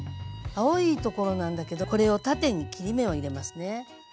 青いところなんだけどこれを縦に切り目を入れますね。